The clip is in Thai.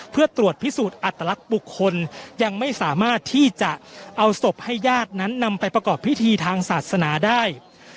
เพื่อตรวจพิสูจน์อัตลักษณ์บุคคลยังไม่สามารถที่จะเอาศพให้ญาตินั้นนำไปประกอบพิธีทางศาสนาได้